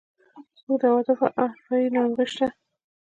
زموږ د عواطفو او اروایي ناروغۍ شته.